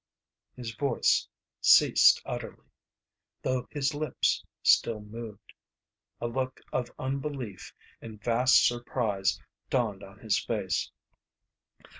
His voice ceased utterly, though his lips still moved. A look of unbelief and vast surprise dawned on his face.